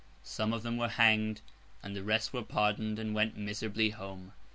Some of them were hanged, and the rest were pardoned and went miserably home.